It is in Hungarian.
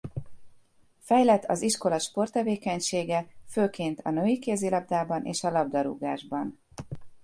Fejlett az iskola sporttevékenysége főként a női kézilabdában és a labdarúgásban.